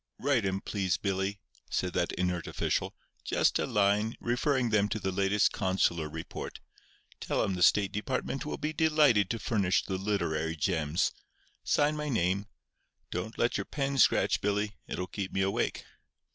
"Write 'em, please, Billy," said that inert official, "just a line, referring them to the latest consular report. Tell 'em the State Department will be delighted to furnish the literary gems. Sign my name. Don't let your pen scratch, Billy; it'll keep me awake."